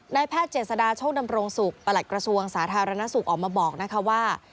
แพทย์เจษฎาโชคดำรงศุกร์ประหลัดกระทรวงสาธารณสุขออกมาบอกนะคะว่า